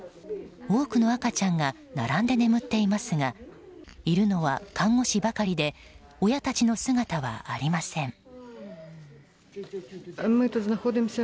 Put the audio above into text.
多くの赤ちゃんが並んで眠っていますがいるのは看護師ばかりで親たちの姿はありません。